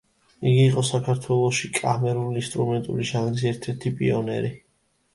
იგი იყო საქართველოში კამერულ-ინსტრუმენტული ჟანრის ერთ-ერთი პიონერი.